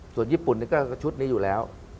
ส่วนญี่ปุ่นก็ชุดนี้อยู่แล้ว